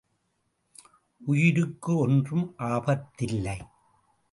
உயிருக்கு ஒன்றும் ஆபத்தில்லை.